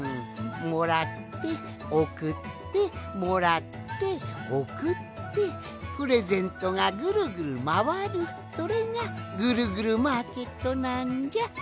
もらっておくってもらっておくってプレゼントがぐるぐるまわるそれがぐるぐるマーケットなんじゃ。